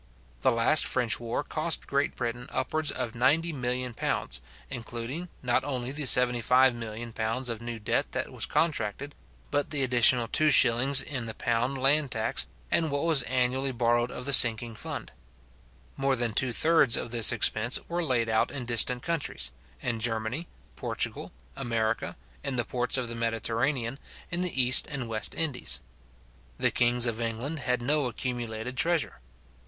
The last French war cost Great Britain upwards of £90,000,000, including not only the £75,000,000 of new debt that was contracted, but the additional 2s. in the pound land tax, and what was annually borrowed of the sinking fund. More than two thirds of this expense were laid out in distant countries; in Germany, Portugal, America, in the ports of the Mediterranean, in the East and West Indies. The kings of England had no accumulated treasure.